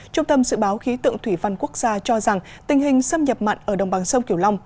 trung tâm dự báo khí tượng thủy văn quốc gia cho rằng tình hình xâm nhập mặn ở đồng bằng sông kiểu long